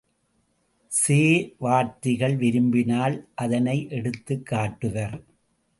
சேவார்த்திகள் விரும்பினால் அதனை எடுத்துக் காட்டுவர்.